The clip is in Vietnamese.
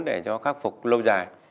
để cho khắc phục lâu dài